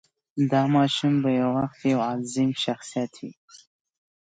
دا ماشوم به یو وخت یو عظیم شخصیت وي.